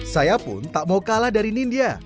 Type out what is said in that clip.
saya pun tak mau kalah dari nindya